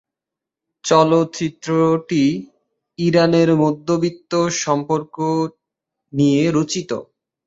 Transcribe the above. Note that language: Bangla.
চলচ্চিত্রটি ইরানের মধ্যবিত্ত সম্পর্ক নিয়ে রচিত।